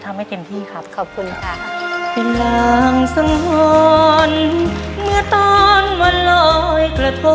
ผมจะทำให้เต็มที่ครับ